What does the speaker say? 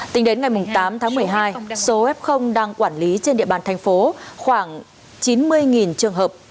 tính đến ngày tám tháng một mươi hai số f đang quản lý trên địa bàn thành phố khoảng chín mươi trường hợp